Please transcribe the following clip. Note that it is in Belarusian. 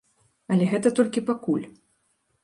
Але гэта толькі пакуль.